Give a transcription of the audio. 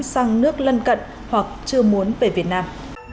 sang nước lân cận hoặc chưa muốn về việt nam